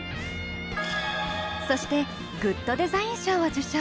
そしてグッドデザイン賞を受賞。